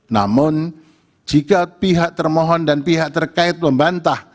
namun jika pihak termohon dan pihak terkait membantah